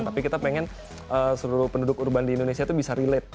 tapi kita pengen seluruh penduduk urban di indonesia itu bisa relate